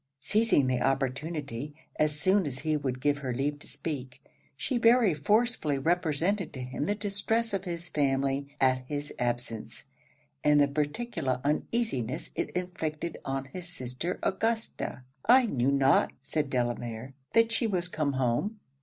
Seizing the opportunity, as soon as he would give her leave to speak, she very forcibly represented to him the distress of his family at his absence, and the particular uneasiness it inflicted on his sister Augusta. 'I knew not,' said Delamere, 'that she was come home.'